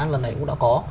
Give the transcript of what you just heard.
lần này cũng đã có